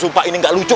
sumpah ini gak lucu